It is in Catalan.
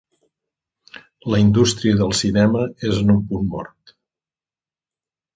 La indústria del cinema és en un punt mort.